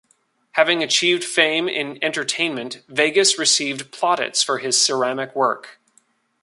Having achieved fame in entertainment, Vegas received plaudits for his ceramic work.